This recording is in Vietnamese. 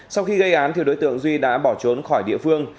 sau khi gây án đối tượng duy đã bỏ trốn khỏi địa phương